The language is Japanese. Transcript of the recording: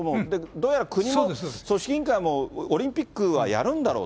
どうやら国も、組織委員会もオリンピックはやるんだろう。